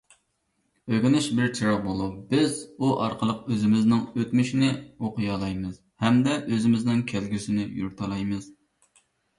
ئۆگىنىش بىر چىراغ بولۇپ، بىز ئۇ ئارقىلىق ئۆزىمىزنىڭ ئۆتمۈشىنى ئوقۇيالايمىز، ھەمدە ئۆزىمىزنىڭ كەلگۈسىنى يورۇتالايمىز.